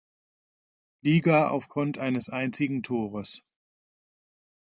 Liga aufgrund eines einzigen Tores.